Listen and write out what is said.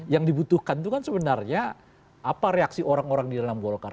yang dibutuhkan itu kan sebenarnya apa reaksi orang orang di dalam golkar